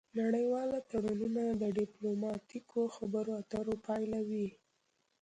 نړیوال تړونونه د ډیپلوماتیکو خبرو اترو پایله وي